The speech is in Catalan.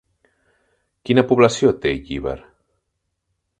Quina població té Llíber?